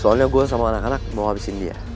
soalnya gue sama anak anak mau ngabisin dia